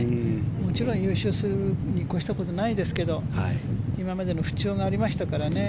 もちろん優勝するに越したことはないですけど今までの不調がありましたからね。